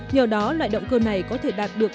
nhờ đó loại động cơ này có thể đạt được